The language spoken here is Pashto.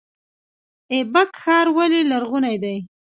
ایبک ښار ولې لرغونی دی؟